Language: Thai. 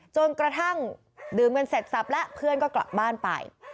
จนกระทั่งดื่มกันเสร็จสับแล้วเพื่อนก็กลับบ้านไป